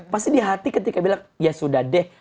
pasti di hati ketika bilang ya sudah deh